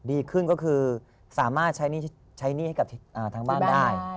ดีขึ้นก็คือสามารถใช้หนี้ให้กับทางบ้านได้